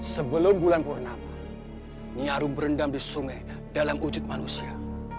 sebelum bulan purnama nyarum berendam di sungai dalam wujud manusia